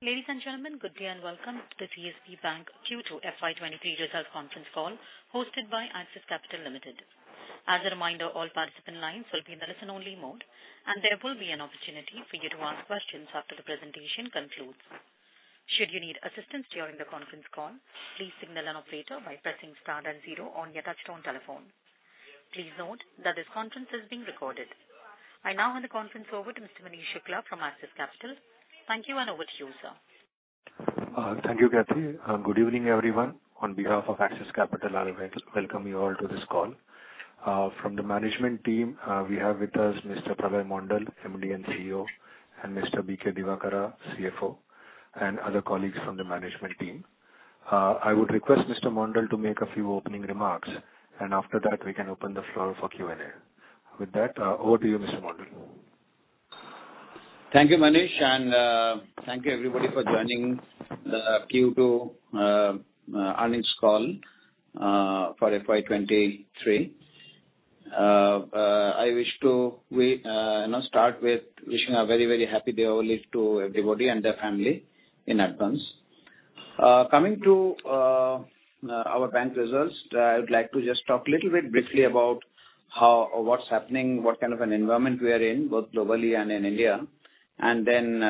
Ladies and gentlemen, good day and welcome to the CSB Bank Q2 FY 2023 results conference call hosted by Axis Capital Limited. As a reminder, all participant lines will be in the listen-only mode, and there will be an opportunity for you to ask questions after the presentation concludes. Should you need assistance during the conference call, please signal an operator by pressing star then zero on your touchtone telephone. Please note that this conference is being recorded. I now hand the conference over to Mr. Manish Shukla from Axis Capital. Thank you, and over to you, sir. Thank you, Kathy. Good evening, everyone. On behalf of Axis Capital, I would like to welcome you all to this call. From the management team, we have with us Mr. Pralay Mondal, MD and CEO, and Mr. B.K. Divakara, CFO, and other colleagues from the management team. I would request Mr. Mondal to make a few opening remarks, and after that, we can open the floor for Q&A. With that, over to you, Mr. Mondal. Thank you, Manish, and thank you everybody for joining Q2 earnings call for FY 2023. I wish to, you know, start with wishing a very, very happy Diwali to everybody and their family in advance. Coming to our bank results, I would like to just talk a little bit briefly about how or what's happening, what kind of an environment we are in both globally and in India, and then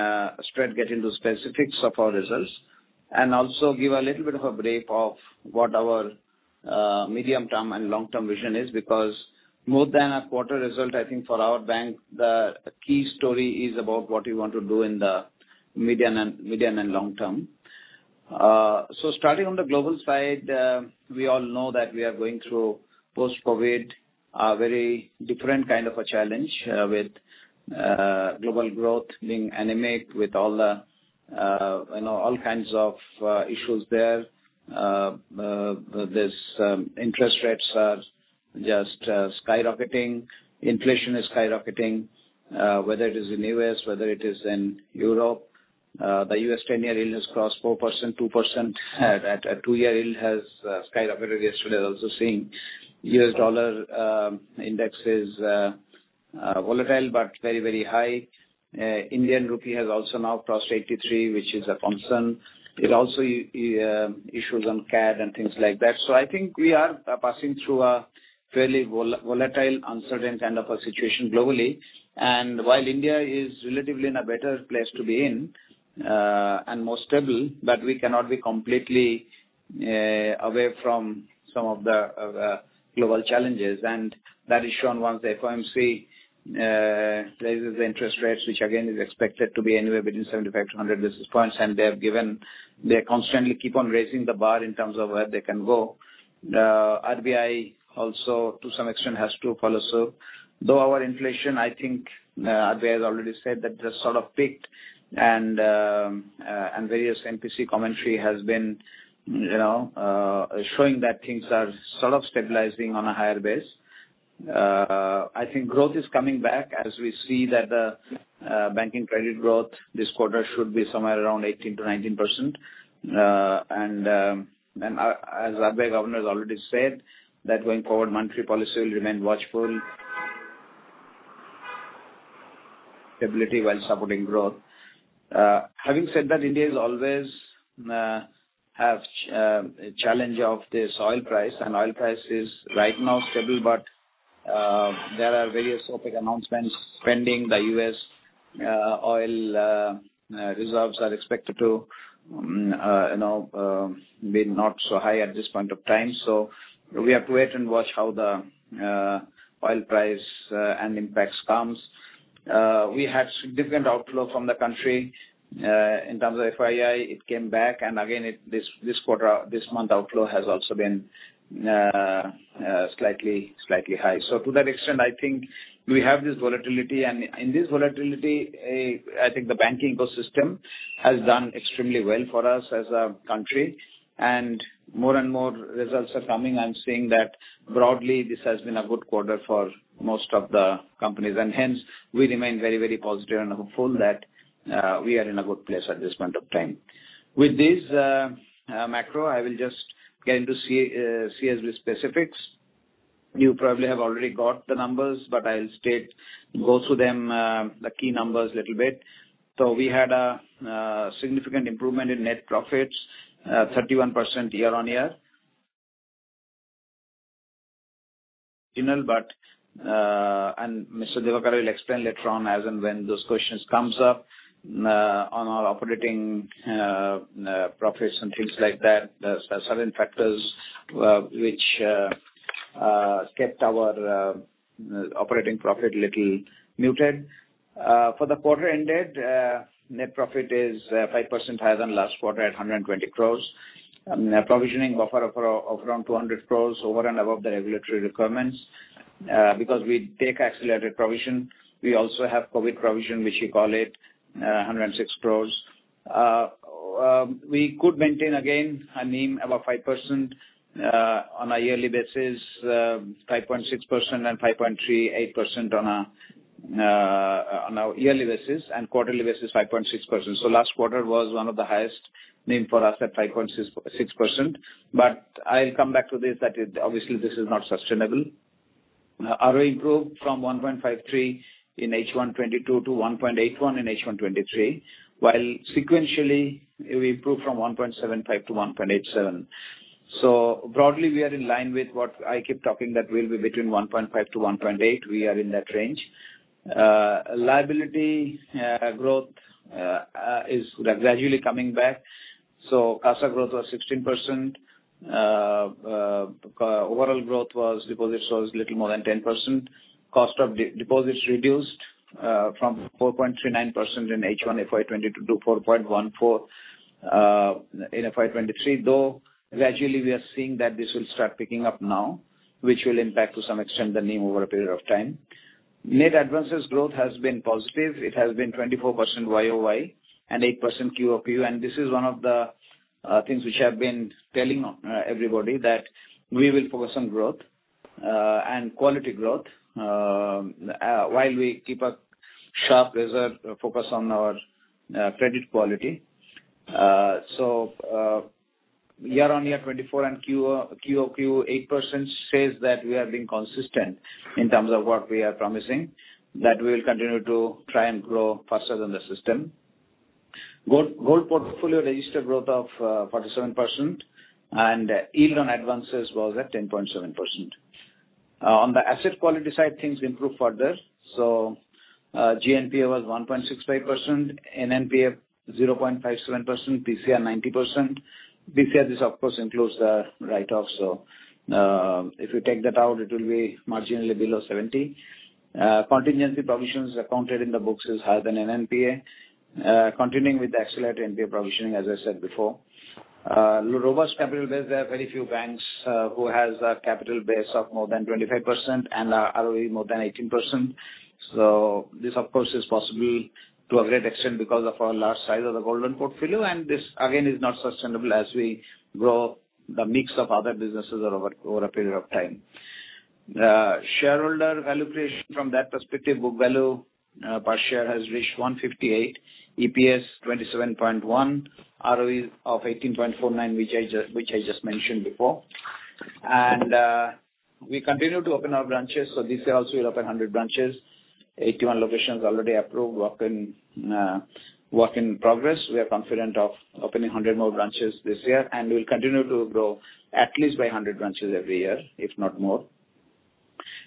straight get into specifics of our results. Also give a little bit of a brief of what our medium-term and long-term vision is because more than a quarter result, I think for our bank, the key story is about what we want to do in the medium and long term. Starting on the global side, we all know that we are going through post-COVID, a very different kind of a challenge, with global growth being anemic, with all the you know all kinds of issues there. This interest rates are just skyrocketing. Inflation is skyrocketing, whether it is in U.S., whether it is in Europe. The U.S. ten year yield has crossed 4%, 2%. That two year yield has skyrocketed yesterday. Also seeing U.S. dollar index is volatile but very, very high. Indian rupee has also now crossed 83, which is a concern. It also issues on CAD and things like that. I think we are passing through a fairly volatile, uncertain kind of a situation globally. While India is relatively in a better place to be in, and more stable, but we cannot be completely away from some of the global challenges. That is shown once the FOMC raises interest rates, which again is expected to be anywhere between 75 to 100 basis points, and they have given. They constantly keep on raising the bar in terms of where they can go. The RBI also to some extent has to follow suit. Though our inflation, I think, Advait has already said that just sort of peaked and various MPC commentary has been, you know, showing that things are sort of stabilizing on a higher base. I think growth is coming back as we see that the banking credit growth this quarter should be somewhere around 18%-19%. As RBI governor has already said that going forward, monetary policy will remain watchful on stability while supporting growth. Having said that, India always has a challenge of this oil price, and oil price is right now stable, but there are various OPEC announcements pending. The US oil results are expected to you know be not so high at this point of time. We have to wait and watch how the oil price and its impact comes. We had significant outflow from the country. In terms of FII, it came back, and again, this quarter, this month outflow has also been slightly high. To that extent, I think we have this volatility. In this volatility, I think the banking ecosystem has done extremely well for us as a country. More and more results are coming. I'm seeing that broadly this has been a good quarter for most of the companies and hence we remain very, very positive and hopeful that we are in a good place at this point of time. With this macro, I will just get into CSB specifics. You probably have already got the numbers, but I'll state, go through them, the key numbers little bit. We had significant improvement in net profits, 31% year-on-year. Mr. Divakara will explain later on as and when those questions come up on our operating profits and things like that. There are certain factors which kept our operating profit little muted. For the quarter ended, net profit is 5% higher than last quarter at 120 crores. Provisioning buffer of around 200 crores over and above the regulatory requirements, because we take accelerated provision. We also have COVID provision, which you call it, 106 crores. We could maintain again a NIM about 5% on a yearly basis, 5.6% and 5.38% on a yearly basis, and quarterly basis, 5.6%. Last quarter was one of the highest NIM for us at 5.66%. I'll come back to this, that obviously this is not sustainable. ROE improved from 1.53 in H1 2022 to 1.81 in H1 2023, while sequentially it improved from 1.75 to 1.87. Broadly, we are in line with what I keep talking that we'll be between 1.5-1.8. We are in that range. Liability growth is gradually coming back. Asset growth was 16%. Overall deposit growth was little more than 10%. Cost of deposits reduced from 4.39% in H1 FY 2022 to 4.14% in FY 2023, though gradually we are seeing that this will start picking up now, which will impact to some extent the NIM over a period of time. Net advances growth has been positive. It has been 24% YOY and 8% QOQ. This is one of the things which I've been telling everybody that we will focus on growth and quality growth while we keep a sharp reserve focus on our credit quality. Year-on-year 24 and QOQ 8% says that we are being consistent in terms of what we are promising, that we'll continue to try and grow faster than the system. Gold portfolio registered growth of 47% and yield on advances was at 10.7%. On the asset quality side, things improved further. GNPA was 1.65%, NNPA 0.57%, PCR 90%. PCR this of course includes the write-offs. If you take that out, it will be marginally below 70. Contingency provisions accounted in the books is higher than NNPA, continuing with the accelerated NPA provisioning, as I said before. Robust capital base, there are very few banks who has a capital base of more than 25% and ROE more than 18%. This of course is possible to a great extent because of our large size of the gold loan portfolio, and this again is not sustainable as we grow the mix of other businesses over a period of time. Shareholder value creation from that perspective, book value per share has reached 158, EPS 27.1, ROE of 18.49%, which I just mentioned before. We continue to open our branches. This year also we open 100 branches, 81 locations already approved, work in progress. We are confident of opening 100 more branches this year, and we'll continue to grow at least by 100 branches every year, if not more.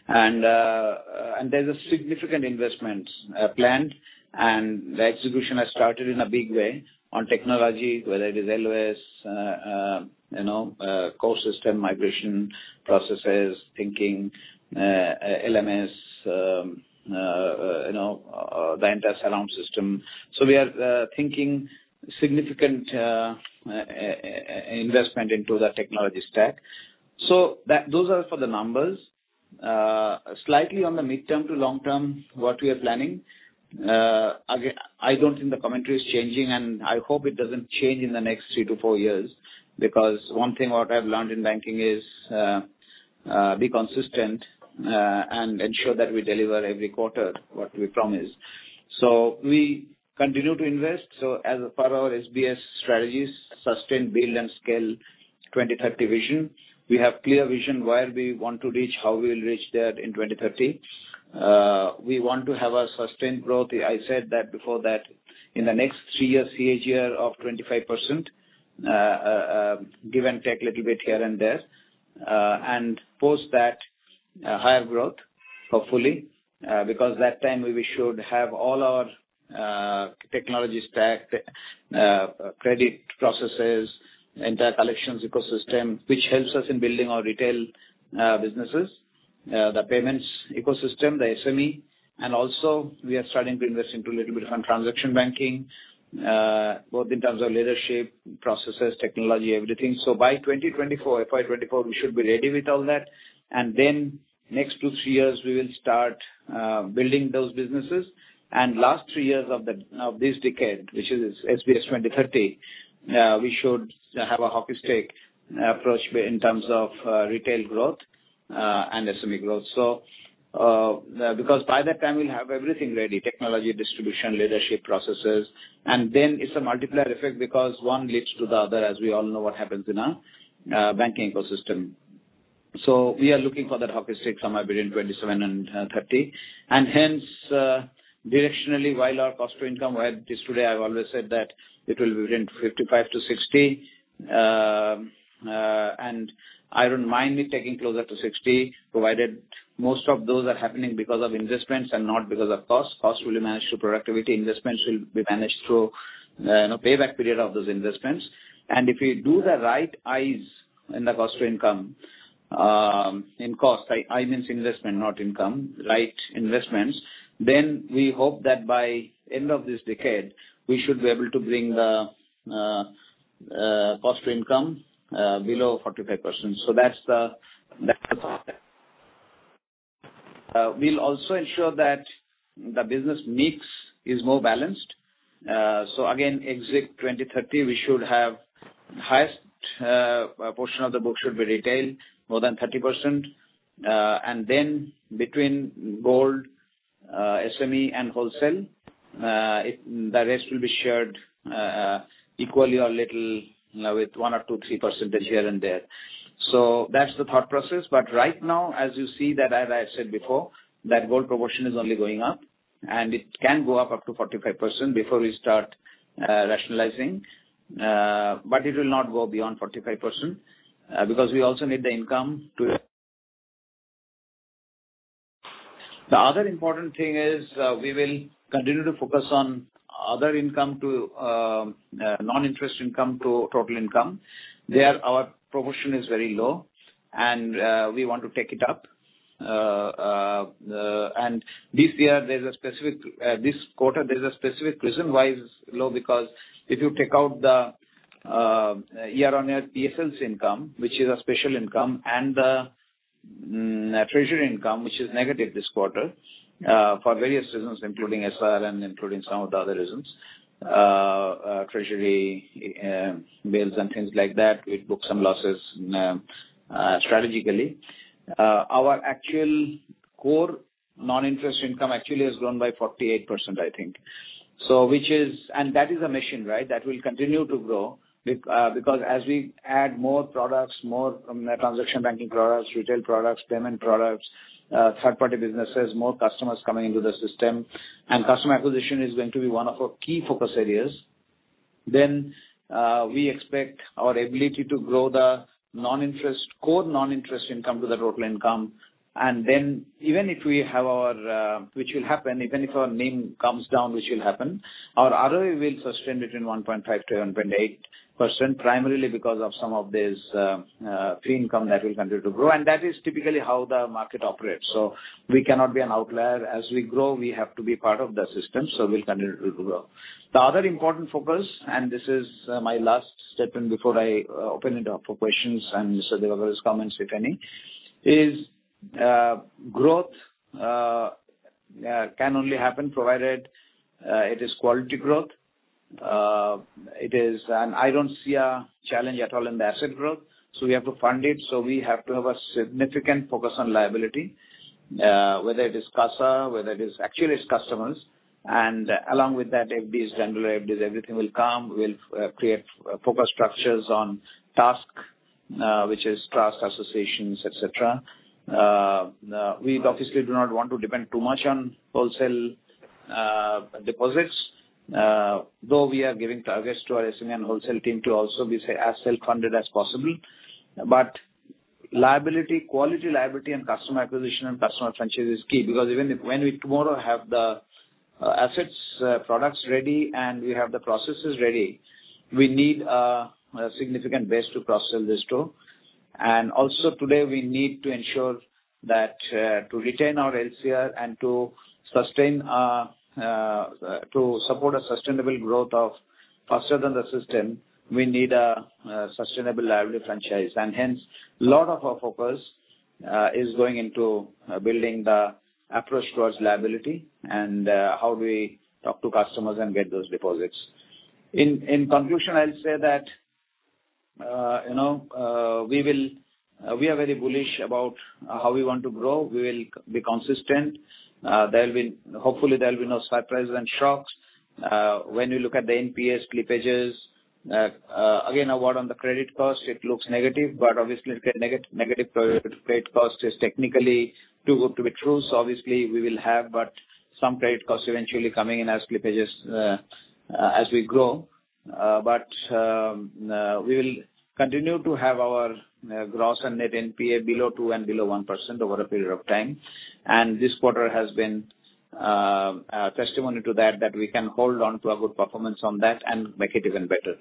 There's a significant investment planned, and the execution has started in a big way on technology, whether it is LOS, you know, core system, migration processes, thinking, LMS, you know, the entire loan system. We are thinking significant investment into the technology stack. Those are for the numbers. Slightly on the midterm to long-term, what we are planning, again, I don't think the commentary is changing, and I hope it doesn't change in the next three to four years because one thing what I've learned in banking is, be consistent, and ensure that we deliver every quarter what we promise. We continue to invest. As per our SBS strategies, sustain, build and scale 2030 vision. We have clear vision where we want to reach, how we will reach that in 2030. We want to have sustained growth. I said that before that in the next three years, CAGR of 25%, give and take little bit here and there. Post that, higher growth hopefully, because that time we should have all our technology stack, credit processes, entire collections ecosystem which helps us in building our retail businesses, the payments ecosystem, the SME. We are also starting to invest into a little bit of transaction banking, both in terms of leadership, processes, technology, everything. By 2024, FY 2024, we should be ready with all that. Then next two, three years we will start building those businesses. Last three years of this decade, which is SBS 2030, we should have a hockey stick approach in terms of retail growth and SME growth. Because by that time we'll have everything ready, technology, distribution, leadership, processes. Then it's a multiplier effect because one leads to the other, as we all know what happens in a banking ecosystem. We are looking for that hockey stick somewhere between 27 and 30. Hence, directionally, while our cost to income, where it is today, I've always said that it will be between 55%-60%. I don't mind it taking closer to 60%, provided most of those are happening because of investments and not because of costs. Costs will be managed through productivity. Investments will be managed through, you know, payback period of those investments. If we do the right investments in the cost to income, in cost, I mean investment, not income, right investments, then we hope that by end of this decade, we should be able to bring the cost to income below 45%. That's the plan. We'll also ensure that the business mix is more balanced. Again, exit 2030, we should have highest portion of the book should be retail, more than 30%. And then between gold, SME and wholesale. The rest will be shared equally or little with one or two, three percentage here and there. That's the thought process. Right now, as you see that, as I said before, that gold proportion is only going up, and it can go up to 45% before we start rationalizing. It will not go beyond 45%, because we also need the income. The other important thing is, we will continue to focus on other income to non-interest income to total income. There, our proportion is very low and we want to take it up. This quarter there's a specific reason why it's low. Because if you take out the year-on-year PSLC income, which is a special income, and the treasury income, which is negative this quarter for various reasons, including SR and including some of the other reasons, treasury bills and things like that, we book some losses strategically. Our actual core non-interest income actually has grown by 48%, I think. Which is a mission, right? That will continue to grow because as we add more products, more transaction banking products, retail products, payment products, third-party businesses, more customers coming into the system, and customer acquisition is going to be one of our key focus areas. We expect our ability to grow the non-interest, core non-interest income to the total income. Even if our NIM comes down, which will happen, our ROE will sustain between 1.5%-11.8%, primarily because of some of these fee income that will continue to grow. That is typically how the market operates. We cannot be an outlier. As we grow, we have to be part of the system, so we'll continue to grow. The other important focus, and this is my last statement before I open it up for questions and so Divakara's comments, if any, is growth can only happen provided it is quality growth. It is, and I don't see a challenge at all in the asset growth. We have to fund it, so we have to have a significant focus on liability, whether it is CASA, whether it is. Actually it's customers. Along with that, FD is general, everything will come. We'll create focus structures on TASC, which is trust, associations, et cetera. We obviously do not want to depend too much on wholesale deposits, though we are giving targets to our SME and wholesale team to also be as self-funded as possible. Liability, quality liability and customer acquisition and personal franchise is key because even if, when we tomorrow have the assets products ready and we have the processes ready, we need a significant base to cross-sell this to. Also today we need to ensure that to retain our LCR and to sustain to support a sustainable growth of faster than the system, we need a sustainable liability franchise. Hence a lot of our focus is going into building the approach towards liability and how we talk to customers and get those deposits. In conclusion, I'll say that you know we are very bullish about how we want to grow. We will be consistent. Hopefully, there'll be no surprises and shocks. When you look at the NPS slippages again, a word on the credit cost, it looks negative, but obviously negative credit cost is technically too good to be true. Obviously we will have but some credit costs eventually coming in as slippages, as we grow. We will continue to have our gross and net NPA below 2% and below 1% over a period of time. This quarter has been a testimony to that we can hold on to our good performance on that and make it even better.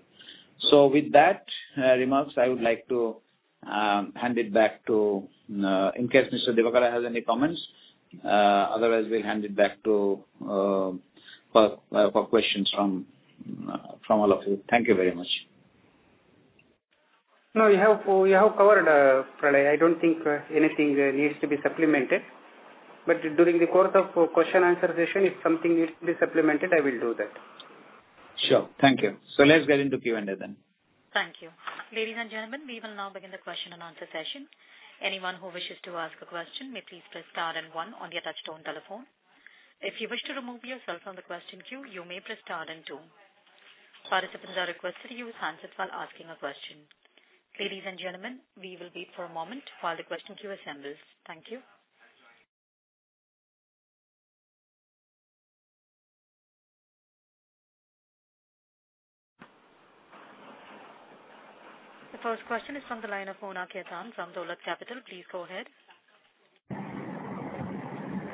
With that remarks, I would like to hand it back to in case Mr. Divakara has any comments, otherwise we'll hand it back to for questions from all of you. Thank you very much. No, you have covered Pralay. I don't think anything needs to be supplemented. During the course of question and answer session, if something needs to be supplemented, I will do that. Sure. Thank you. Let's get into Q&A then. Thank you. Ladies and gentlemen, we will now begin the question and answer session. Anyone who wishes to ask a question may please press star and one on your touchtone telephone. If you wish to remove yourself from the question queue, you may press star and two. Participants are requested to use handsets while asking a question. Ladies and gentlemen, we will wait for a moment while the question queue assembles. Thank you. The first question is from the line of Mona Khetan from Dolat Capital. Please go ahead.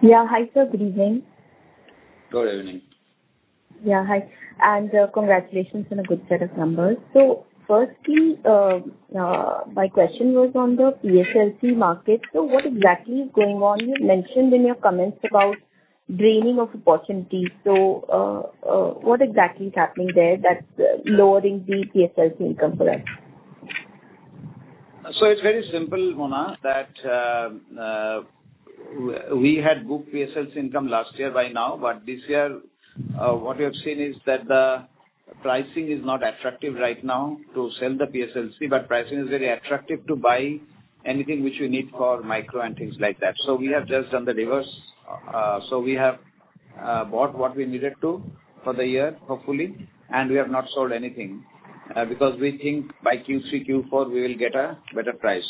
Yeah. Hi, sir. Good evening. Good evening. Yeah, hi, and congratulations on a good set of numbers. Firstly, my question was on the PSLC market. What exactly is going on? You mentioned in your comments about draining of opportunities. What exactly is happening there that's lowering the PSLC income for us? It's very simple, Mona, that we had booked PSLC income last year by now. This year, what we have seen is that pricing is not attractive right now to sell the PSLC, but pricing is very attractive to buy anything which you need for micro and things like that. We have just done the reverse. We have bought what we needed to for the year, hopefully, and we have not sold anything because we think by Q3, Q4 we will get a better price.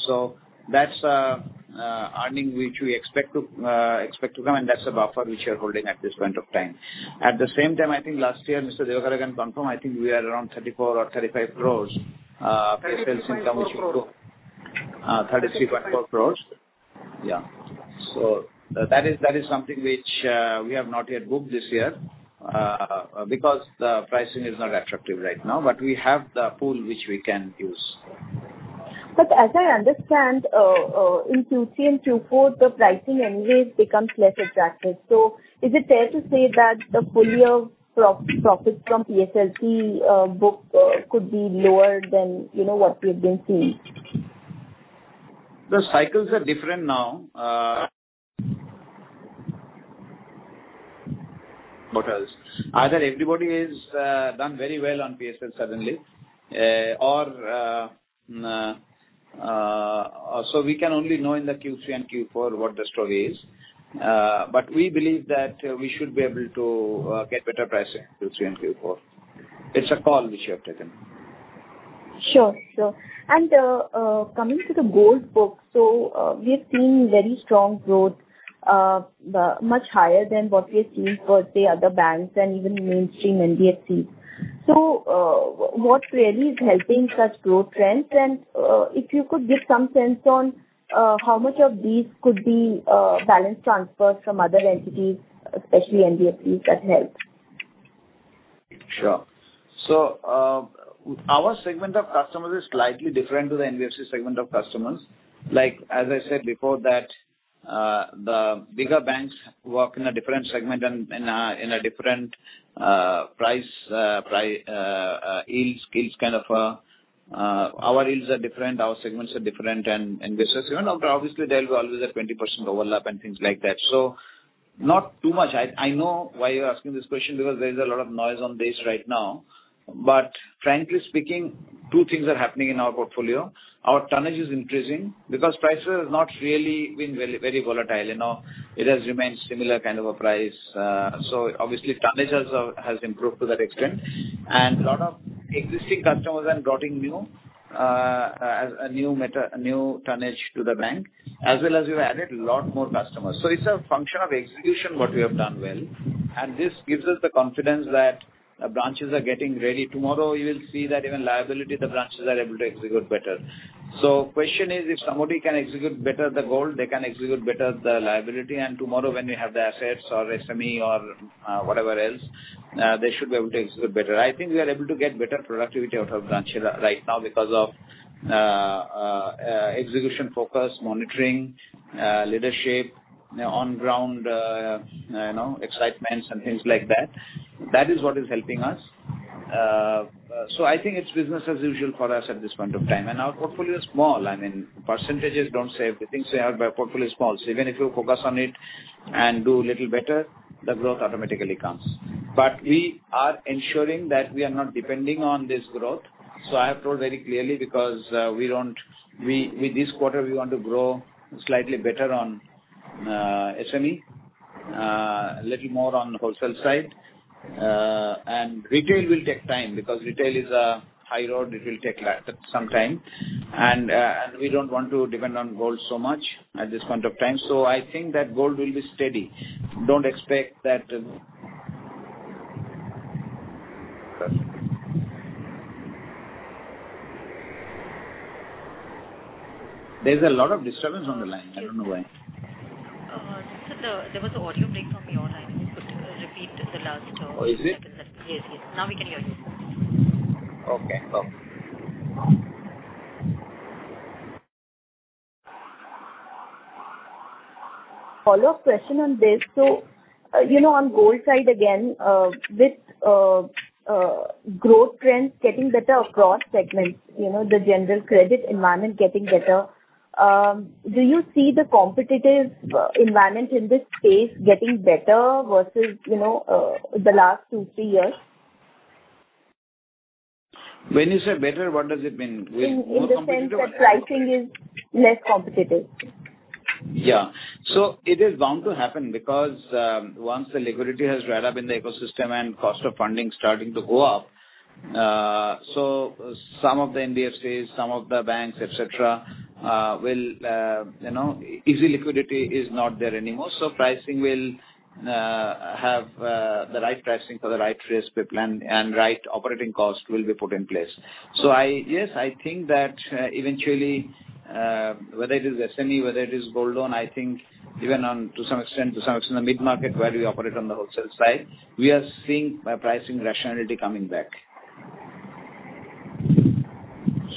That's earning which we expect to come, and that's the buffer which we are holding at this point of time. At the same time, I think last year, Mr. Divakara can confirm, I think we are around 34 or 35 crores. 33.4 crores. 33.4 crores. Yeah. That is something which we have not yet booked this year because the pricing is not attractive right now, but we have the pool which we can use. As I understand, in Q3 and Q4, the pricing anyways becomes less attractive. Is it fair to say that the full year profit from PSLC book could be lower than, you know, what we have been seeing? The cycles are different now. What else? Either everybody is done very well on PSL suddenly, or we can only know in the Q3 and Q4 what the story is. We believe that we should be able to get better pricing in Q3 and Q4. It's a call which we have taken. Sure. Coming to the gold loan book, we have seen very strong growth, much higher than what we have seen for, say, other banks and even mainstream NBFCs. What really is helping such growth trends? If you could give some sense on how much of these could be balance transfers from other entities, especially NBFCs that help. Sure. Our segment of customers is slightly different to the NBFC segment of customers. Like as I said before that, the bigger banks work in a different segment and in a different yields kind of. Our yields are different, our segments are different, and business. Even after obviously there will always a 20% overlap and things like that. Not too much. I know why you're asking this question because there is a lot of noise on this right now. Frankly speaking, two things are happening in our portfolio. Our tonnage is increasing because prices has not really been very, very volatile. You know, it has remained similar kind of a price. Obviously tonnage has improved to that extent. Lot of existing customers are bringing new tonnage to the bank, as well as we've added lot more customers. It's a function of execution, what we have done well, and this gives us the confidence that branches are getting ready. Tomorrow you will see that even liability, the branches are able to execute better. Question is, if somebody can execute better the gold, they can execute better the liability. Tomorrow when we have the assets or SME or whatever else, they should be able to execute better. I think we are able to get better productivity out of branch right now because of execution focus, monitoring, leadership, on ground, you know, excitements and things like that. That is what is helping us. I think it's business as usual for us at this point of time. Our portfolio is small. I mean, percentages don't say everything. Say our portfolio is small. Even if you focus on it and do little better, the growth automatically comes. We are ensuring that we are not depending on this growth. I have told very clearly because with this quarter we want to grow slightly better on SME, little more on the wholesale side. Retail will take time because retail is a high road, it will take some time. We don't want to depend on gold so much at this point of time. I think that gold will be steady. Don't expect that. There's a lot of disturbance on the line. I don't know why. Sir, there was an audio break from your end. Could you repeat the last, Oh, is it? Yes, yes. Now we can hear you. Okay, cool. Follow-up question on this. You know, on gold side again, with growth trends getting better across segments, you know, the general credit environment getting better, do you see the competitive environment in this space getting better versus, you know, the last two, three years? When you say better, what does it mean? In the sense that pricing is less competitive. Yeah. It is bound to happen because once the liquidity has dried up in the ecosystem and cost of funding starting to go up, so some of the NBFCs, some of the banks, et cetera, will, you know, easy liquidity is not there anymore. Pricing will have the right pricing for the right risk return and right operating cost will be put in place. Yes, I think that eventually, whether it is SME, whether it is gold loan, I think even on to some extent, to some extent the mid-market where we operate on the wholesale side, we are seeing pricing rationality coming back.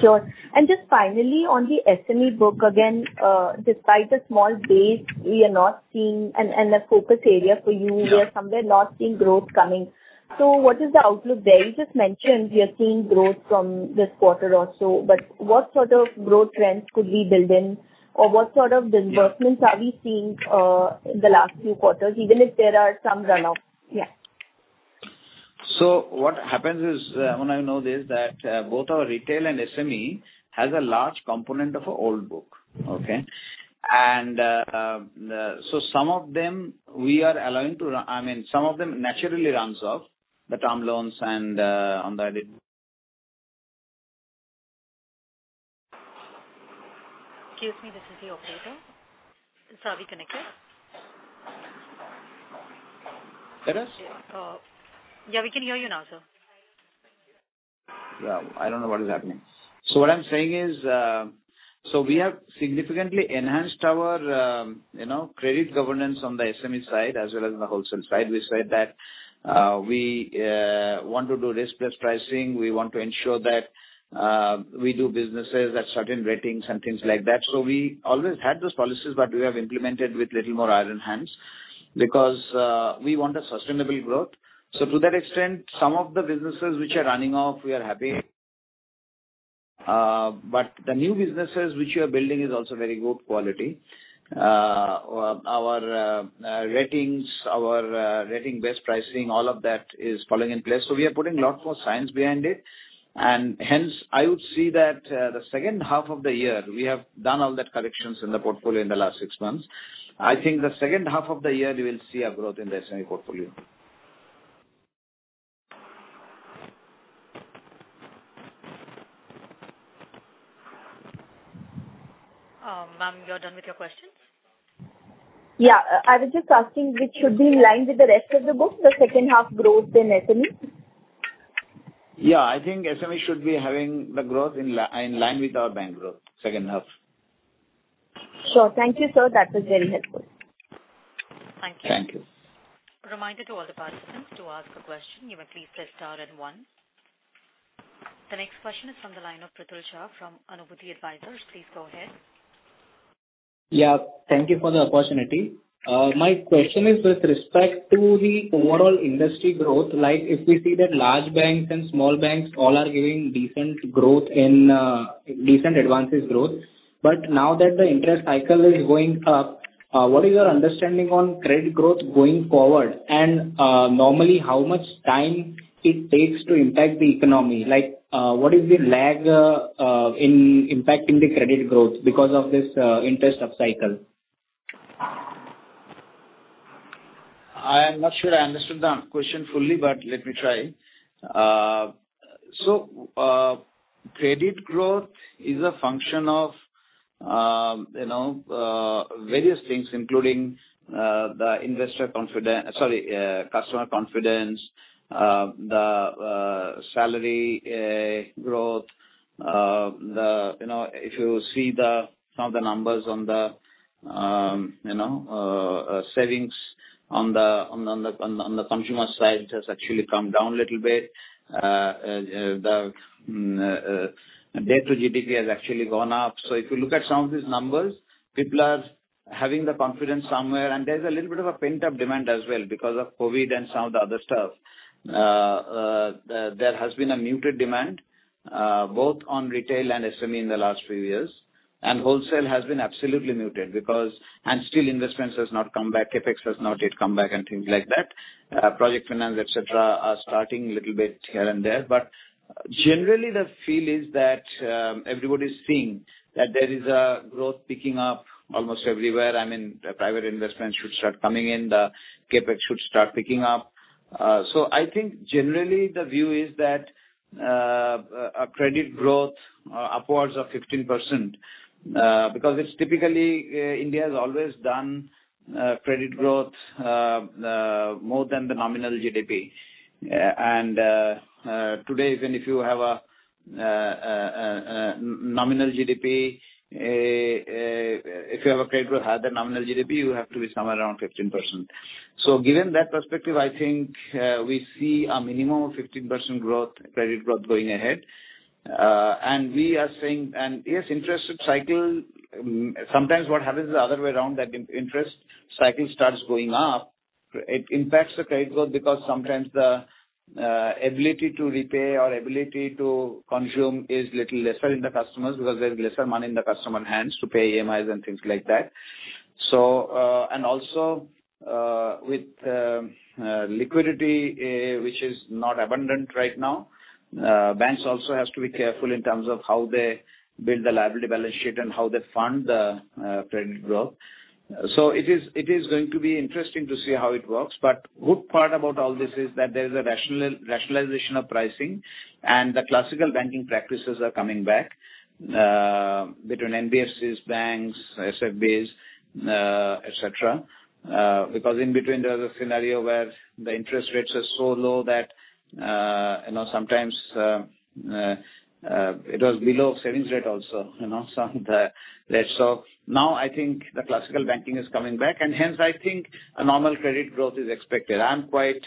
Sure. Just finally on the SME book, again, despite the small base, we are not seeing any, and a focus area for you where some are not seeing growth coming. What is the outlook there? You just mentioned we are seeing growth from this quarter also, but what sort of growth trends could we build in? Or what sort of disbursements are we seeing in the last few quarters, even if there are some run off? Yeah. What happens is, when I know this, that, both our retail and SME has a large component of our old book. Okay? Some of them, I mean, some of them naturally runs off the term loans and on the other- Excuse me. This is the operator. Sir, are we connected? Tell us. Yeah. Yeah, we can hear you now, sir. Yeah. I don't know what is happening. What I'm saying is, we have significantly enhanced our, you know, credit governance on the SME side as well as the wholesale side. We said that we want to do risk-based pricing. We want to ensure that we do businesses at certain ratings and things like that. We always had those policies, but we have implemented with little more iron hands because we want a sustainable growth. To that extent, some of the businesses which are running off, we are happy. The new businesses which we are building is also very good quality. Our ratings, our risk-based pricing, all of that is falling in place. We are putting a lot more science behind it, and hence, I would see that, the second half of the year we have done all that corrections in the portfolio in the last six months. I think the second half of the year you will see a growth in the SME portfolio. Ma'am, you're done with your questions? Yeah. I was just asking which should be in line with the rest of the book, the second half growth in SME? Yeah. I think SME should be having the growth in line with our bank growth second half. Sure. Thank you, sir. That was very helpful. Thank you. Reminder to all the participants to ask a question, you may please press star and one. The next question is from the line of Pruthul Shah from Anubhuti Advisors. Please go ahead. Yeah. Thank you for the opportunity. My question is with respect to the overall industry growth, like if we see that large banks and small banks all are giving decent growth in decent advances growth, but now that the interest cycle is going up, what is your understanding on credit growth going forward? Normally, how much time it takes to impact the economy? Like, what is the lag in impacting the credit growth because of this interest up cycle? I am not sure I understood the question fully, but let me try. Credit growth is a function of, you know, various things including customer confidence, the salary growth, you know, if you see some of the numbers on the savings on the consumer side, it has actually come down a little bit. The debt to GDP has actually gone up. If you look at some of these numbers, people are having the confidence somewhere and there's a little bit of a pent-up demand as well because of COVID and some of the other stuff. There has been a muted demand both on retail and SME in the last few years. Wholesale has been absolutely muted because, and still investments has not come back, CapEx has not yet come back and things like that. Project finance, et cetera, are starting a little bit here and there. Generally the feel is that, everybody's seeing that there is a growth picking up almost everywhere. I mean, the private investment should start coming in. The CapEx should start picking up. I think generally the view is that, a credit growth, upwards of 15%, because it's typically, India has always done, credit growth, more than the nominal GDP. Today, even if you have a, nominal GDP, if you have a credit higher than nominal GDP, you have to be somewhere around 15%. Given that perspective, I think we see a minimum of 15% growth, credit growth going ahead. Interest cycle, sometimes what happens the other way around, that interest cycle starts going up, it impacts the credit growth because sometimes the ability to repay or ability to consume is little lesser in the customers because there's lesser money in the customer hands to pay EMIs and things like that. And also, with liquidity, which is not abundant right now, banks also has to be careful in terms of how they build the liability balance sheet and how they fund the credit growth. It is going to be interesting to see how it works. Good part about all this is that there is a rationalization of pricing and the classical banking practices are coming back, between NBFCs, banks, SFBs, et cetera. Because in between there was a scenario where the interest rates are so low that, you know, sometimes, it was below savings rate also, you know, some of the rates. Now I think the classical banking is coming back and hence I think a normal credit growth is expected. I'm quite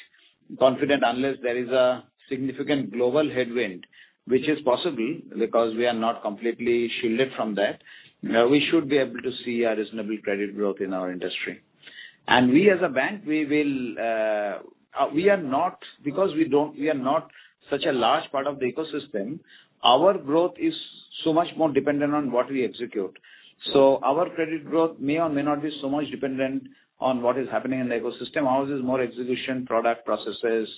confident unless there is a significant global headwind, which is possible because we are not completely shielded from that. We should be able to see a reasonable credit growth in our industry. We as a bank, we are not such a large part of the ecosystem, our growth is so much more dependent on what we execute. Our credit growth may or may not be so much dependent on what is happening in the ecosystem. Ours is more execution, product, processes,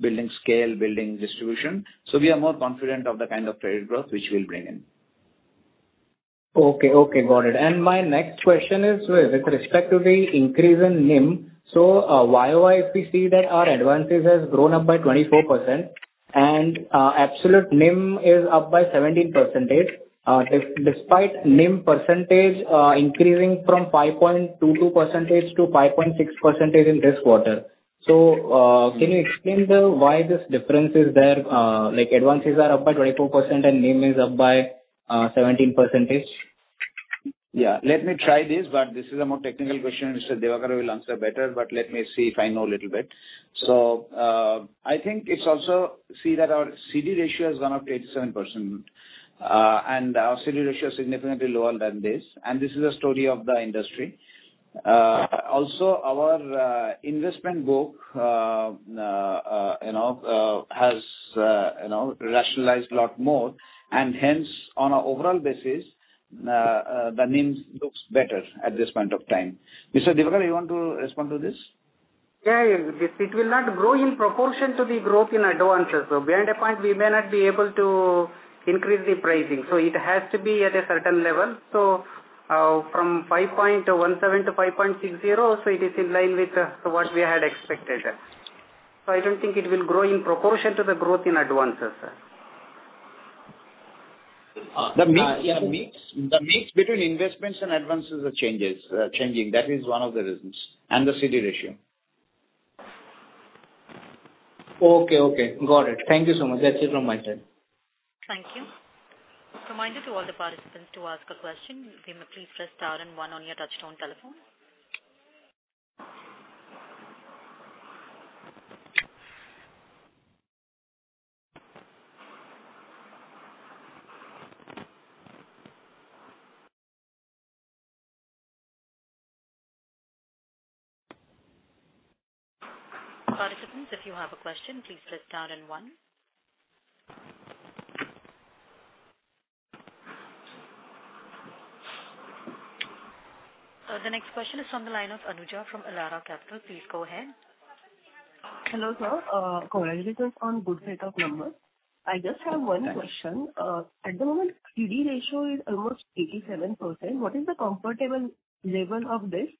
building scale, building distribution. We are more confident of the kind of credit growth which we'll bring in. Okay. Okay, got it. My next question is with respect to the increase in NIM. YOY, if we see that our advances has grown up by 24% and absolute NIM is up by 17%, despite NIM percentage increasing from 5.22% to 5.6% in this quarter. Can you explain why this difference is there? Like, advances are up by 24% and NIM is up by 17%. Yeah. Let me try this, but this is a more technical question. Mr. Divakara will answer better, but let me see if I know a little bit. I think it's also see that our CD ratio has gone up to 87%. And our CD ratio is significantly lower than this, and this is a story of the industry. Also our investment book you know has you know rationalized a lot more and hence, on an overall basis, the NIM looks better at this point of time. Mr. Divakara, you want to respond to this? Yeah. It will not grow in proportion to the growth in advances, so beyond a point we may not be able to increase the pricing, so it has to be at a certain level. From 5.17% to 5.60%, it is in line with what we had expected. I don't think it will grow in proportion to the growth in advances. Uh, the mix. Yeah. The mix between investments and advances changing. That is one of the reasons, and the CD ratio. Okay. Got it. Thank you so much. That's it from my side. Thank you. Reminder to all the participants to ask a question, you may please press star and one on your touchtone telephone. Participants, if you have a question, please press star and one. The next question is from the line of Anuja from Elara Capital. Please go ahead. Hello, sir. Congratulations on good set of numbers. I just have one question. At the moment, CD ratio is almost 87%. What is the comfortable level of this?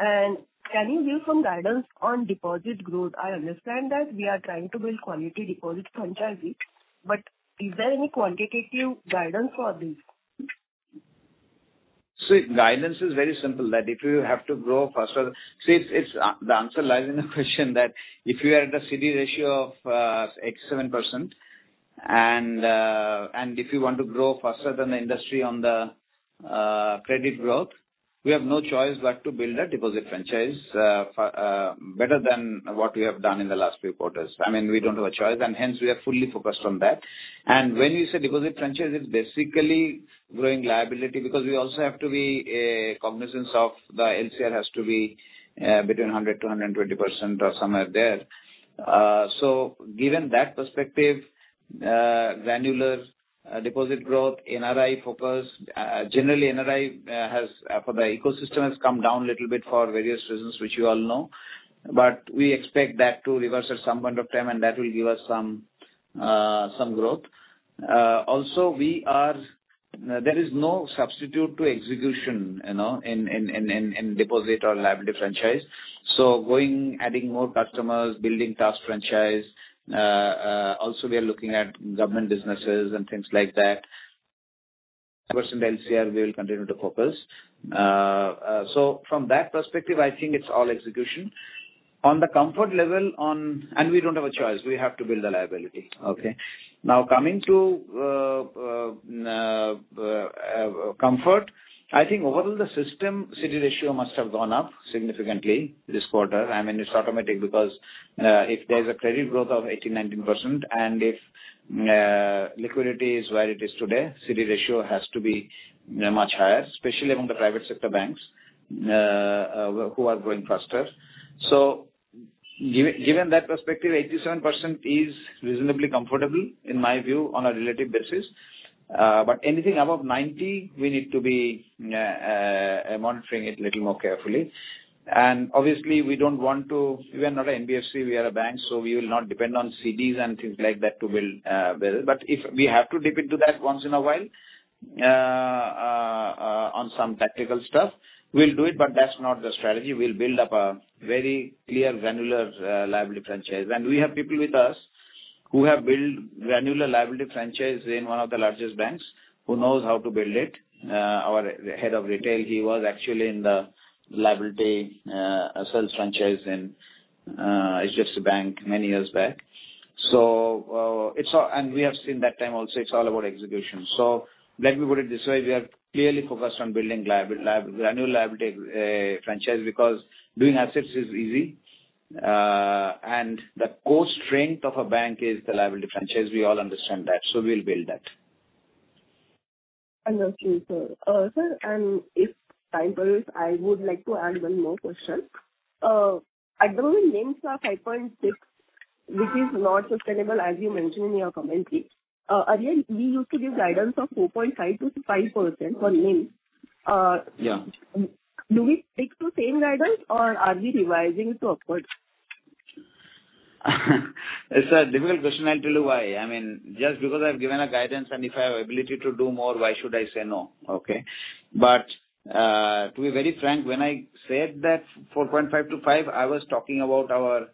Can you give some guidance on deposit growth? I understand that we are trying to build quality deposit franchise, but is there any quantitative guidance for this? Guidance is very simple that if you have to grow faster, it's the answer lies in the question that if you are at a CD ratio of 87% and if you want to grow faster than the industry on the credit growth, we have no choice but to build a deposit franchise better than what we have done in the last few quarters. I mean, we don't have a choice and hence we are fully focused on that. When you say deposit franchise, it's basically growing liability because we also have to be cognizant of the LCR has to be between 100%-120% or somewhere there. Given that perspective, granular deposit growth, NRI focus. Generally, the NRI ecosystem has come down a little bit for various reasons which you all know, but we expect that to reverse at some point of time, and that will give us some growth. There is no substitute for execution, you know, in deposit or liability franchise. Adding more customers, building CASA franchise, also we are looking at government businesses and things like that. 100% LCR we will continue to focus. So from that perspective, I think it's all execution. We don't have a choice. We have to build the liability. Okay. Now, coming to comfort, I think overall the system CD ratio must have gone up significantly this quarter. I mean, it's automatic because if there's a credit growth of 18%-19% and if liquidity is where it is today, CD ratio has to be, you know, much higher, especially among the private sector banks who are growing faster. Given that perspective, 87% is reasonably comfortable in my view on a relative basis. Anything above 90%, we need to be monitoring it little more carefully. Obviously we don't want to. We are not a NBFC, we are a bank, so we will not depend on CDs and things like that to build. If we have to dip into that once in a while on some tactical stuff, we'll do it, but that's not the strategy. We'll build up a very clear granular liability franchise. We have people with us who have built granular liability franchise in one of the largest banks, who knows how to build it. Our head of retail, he was actually in the liability sales franchise in HDFC Bank many years back. We have seen that time also, it's all about execution. Let me put it this way. We are clearly focused on building granular liability franchise because doing assets is easy, and the core strength of a bank is the liability franchise. We all understand that, so we'll build that. Understood, sir. If time permits, I would like to add one more question. At the moment, NIMs are 5.6, which is not sustainable as you mentioned in your commentary. Earlier you used to give guidance of 4.5%-5% for NIMs. Yeah. Do we stick to same guidance or are we revising upwards? It's a difficult question. I'll tell you why. I mean, just because I've given a guidance and if I have ability to do more, why should I say no? Okay. To be very frank, when I said that 4.5%-5%, I was talking about our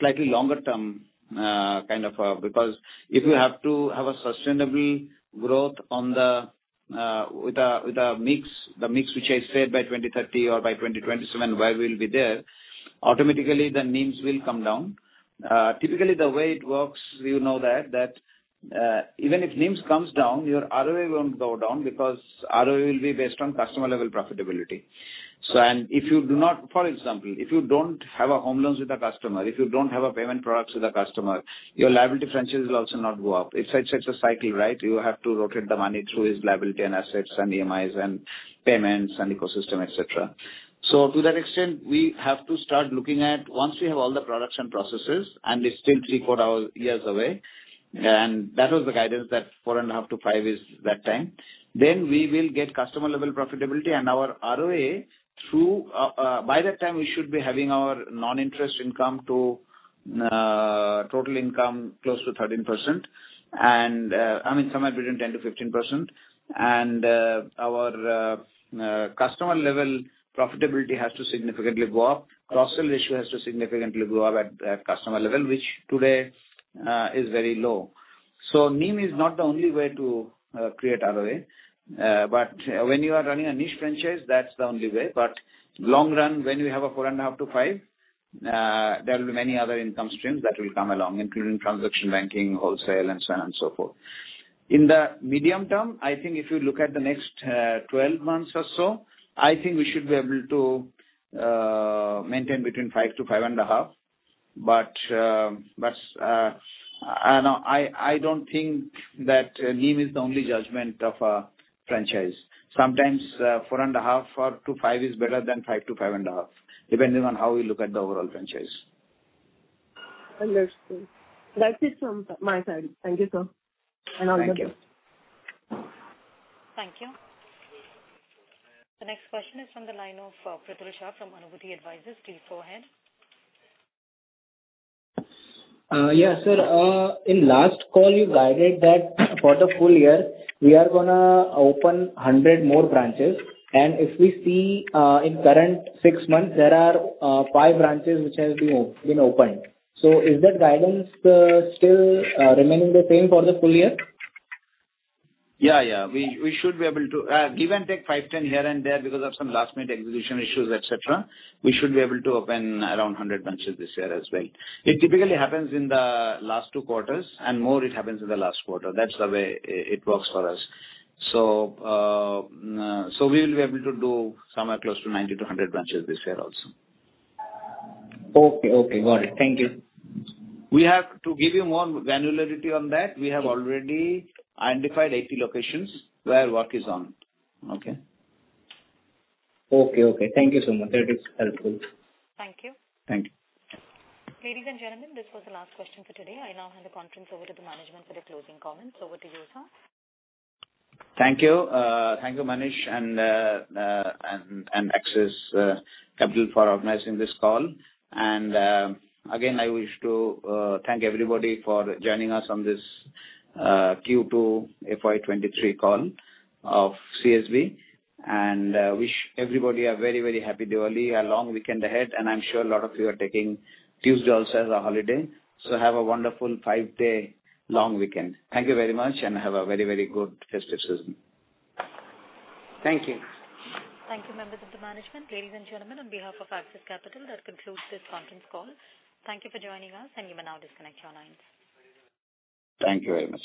slightly longer term kind of, because if you have to have a sustainable growth on the with a mix, the mix which I said by 2030 or by 2027 where we'll be there, automatically the NIMs will come down. Typically the way it works, you know that even if NIMs comes down, your ROA won't go down because ROA will be based on customer level profitability. And if you do not. For example, if you don't have home loans with a customer, if you don't have payment products with a customer, your liability franchise will also not go up. It's such a cycle, right? You have to rotate the money through its liability and assets and EMIs and payments and ecosystem, et cetera. To that extent, we have to start looking at once we have all the products and processes and it's still three, four years away, and that was the guidance that 4.5 to five years that time. We will get customer level profitability and our ROA too by that time. We should be having our non-interest income to total income close to 13%. I mean, somewhere between 10%-15%. Our customer level profitability has to significantly go up. Cross-sell ratio has to significantly go up at customer level, which today is very low. NIM is not the only way to create ROA. When you are running a niche franchise, that's the only way. In the long run, when you have a 4.5%-5%, there will be many other income streams that will come along, including transaction banking, wholesale and so on and so forth. In the medium term, I think if you look at the next 12 months or so, I think we should be able to maintain between 5%-5.5%. I don't think that NIM is the only judgment of a franchise. Sometimes, 4.5%-5% is better than 5%-5.5%, depending on how we look at the overall franchise. Understood. That is from my side. Thank you, sir. Thank you. Thank you. The next question is from the line of Pruthul Shah from Anubhuti Advisors. Please go ahead. Yes, sir. In last call you guided that for the full year, we are gonna open 100 more branches. If we see, in current six months, there are five branches which has been opened. Is that guidance still remaining the same for the full year? Yeah. Yeah. We should be able to give and take five, 10 here and there because of some last-minute execution issues, et cetera. We should be able to open around 100 branches this year as well. It typically happens in the last two quarters, and more it happens in the last quarter. That's the way it works for us. We will be able to do somewhere close to 90 to 100 branches this year also. Okay. Okay. Got it. Thank you. We have to give you more granularity on that. We have already identified 80 locations where work is on. Okay. Okay. Thank you so much. That is helpful. Thank you. Thank you. Ladies and gentlemen, this was the last question for today. I now hand the conference over to the management for their closing comments. Over to you, sir. Thank you. Thank you, Manish and Axis Capital for organizing this call. Again, I wish to thank everybody for joining us on this Q2 FY 2023 call of CSB. Wish everybody a very, very happy Diwali, a long weekend ahead. I'm sure a lot of you are taking Tuesday also as a holiday. Have a wonderful five day long weekend. Thank you very much and have a very, very good festive season. Thank you. Thank you, members of the management. Ladies and gentlemen, on behalf of Axis Capital, that concludes this conference call. Thank you for joining us, and you may now disconnect your lines. Thank you very much.